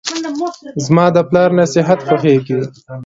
زماد پلار نصیحت خوښیږي.